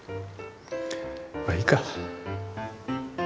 まあいいか。